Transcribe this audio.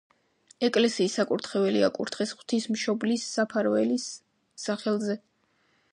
ეკლესიის საკურთხეველი აკურთხეს ღვთისმშობლის საფარველის სახელზე.